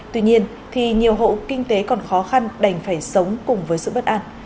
tuy nhiên nhiều hậu kinh tế còn khó khăn đành phải sống cùng với sự bất an